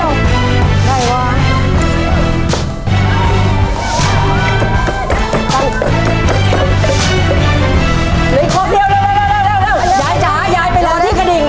ลืมอีกครบเดียวเร็วยายจ๋าหล่อที่กระดิ่ง